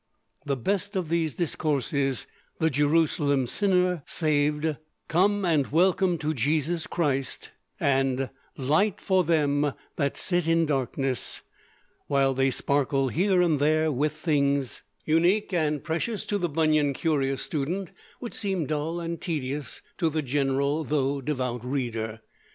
The best of these discourses, 'The Jerusalem Sinner Saved,' 'Come and Welcome to Jesus Christ,' and 'Light for Them that Sit in Darkness,' while they sparkle here and there with things unique and precious to the Bunyan curious student, would seem dull and tedious to the general though devout reader.